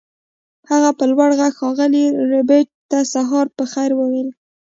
هغه په لوړ غږ ښاغلي ربیټ ته سهار په خیر وویل